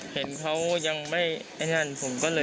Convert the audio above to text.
เห็นเขายังไม่ผมก็เลย